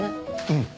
うん。